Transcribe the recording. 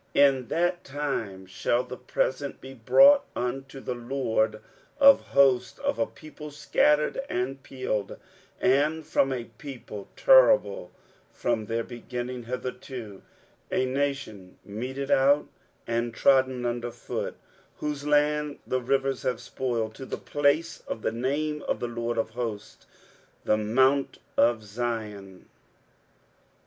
23:018:007 In that time shall the present be brought unto the LORD of hosts of a people scattered and peeled, and from a people terrible from their beginning hitherto; a nation meted out and trodden under foot, whose land the rivers have spoiled, to the place of the name of the LORD of hosts, the mount Zion.